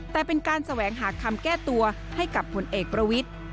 แต่เป็นการแสวงหาคำแก้ตัวให้กับผลเอกประวิทธิ์